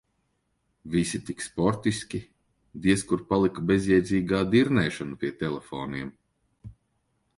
Visi tik sportiski, diez kur palika bezjēdzīgā dirnēšana pie telefoniem.